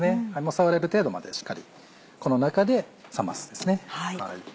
触れる程度までしっかりこの中で冷ますんですね。